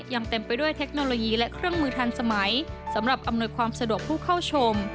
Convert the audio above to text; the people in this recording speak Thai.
ยังเต็มไปด้วยเทคโนโลยีและเครื่องมือทันสมัยสำหรับอำนวยความสะดวกผู้เข้าชม